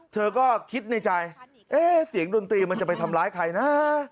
เธอก็คิดในใจเอ๊ะเสียงดนตรีมันจะไปทำร้ายใครนะ